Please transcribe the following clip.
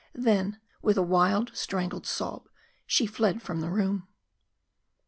Then with a wild, strangled sob, she fled from the room.